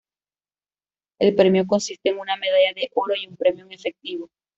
El premio consiste en una medalla de oro y un premio en efectivo.